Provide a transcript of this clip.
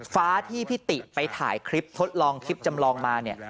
ฟ้าที่พี่ติไปถ่ายคลิปทดลองคลิปจำลองมาเนี่ย